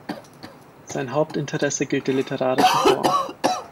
Sein Hauptinteresse gilt der literarischen Form.